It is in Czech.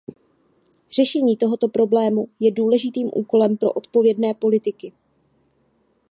Řešení tohoto problému je důležitým úkolem pro odpovědné politiky.